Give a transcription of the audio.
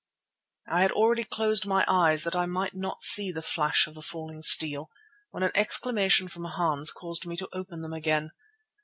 I had already closed my eyes that I might not see the flash of the falling steel, when an exclamation from Hans caused me to open them again.